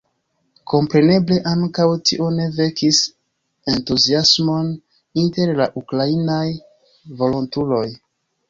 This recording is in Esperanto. Kompreneble ankaŭ tio ne vekis entuziasmon inter la ukrainaj volontuloj.